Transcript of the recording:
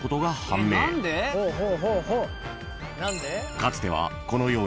［かつてはこのように］